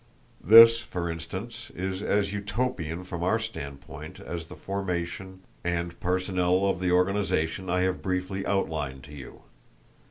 This, for instance, is as Utopian from our standpoint as the formation, and personnel of the organisation I have briefly outlined to you.